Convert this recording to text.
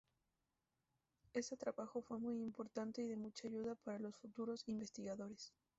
Este trabajo fue muy importante y de mucha ayuda para los futuros investigadores.